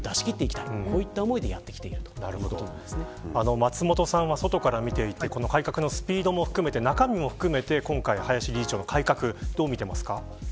松本さんは外から見て改革のスピードも含めて中身も含めて、林理事長の改革をどうみていますか。